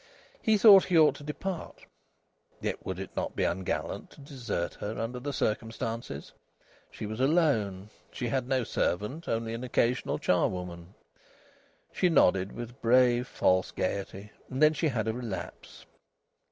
He thought he ought to depart; yet would it not be ungallant to desert her under the circumstances? She was alone. She had no servant, only an occasional charwoman. She nodded with brave, false gaiety. And then she had a relapse.